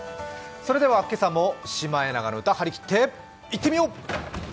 それでは今朝も「シマエナガの歌」張り切っていってみよう！